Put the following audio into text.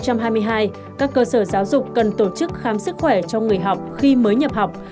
các cơ sở giáo dục cần tổ chức khám sức khỏe cho người học khi mới nhập học